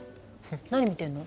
何見てるの？